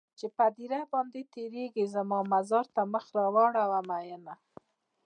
چې هديره باندې تيرېږې زما مزار ته مخ راواړوه مينه